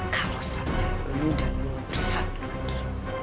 kalau sampai lu dan gue bersatu lagi